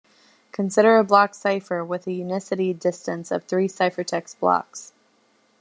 Consider a block cipher with a unicity distance of three ciphertext blocks.